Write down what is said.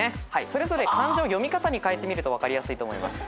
それぞれ漢字を読み方にかえてみると分かりやすいと思います。